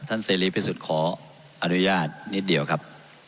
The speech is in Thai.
เสรีพิสุทธิ์ขออนุญาตนิดเดียวครับ